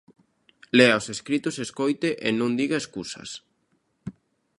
Lea os escritos e escoite e non diga escusas.